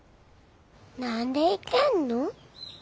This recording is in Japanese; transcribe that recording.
何でいけんの？